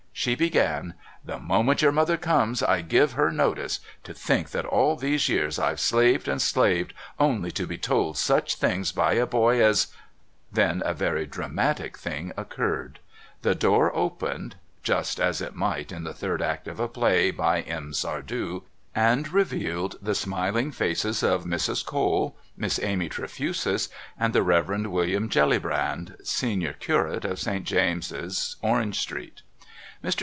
She began: "The moment your mother comes I give her notice. To think that all these years I've slaved and slaved only to be told such things by a boy as " Then a very dramatic thing occurred. The door opened, just as it might in the third act of a play by M. Sardou, and revealed the smiling faces of Mrs. Cole, Miss Amy Trefusis and the Rev. William Jellybrand, Senior Curate of St. James's, Orange Street. Mr.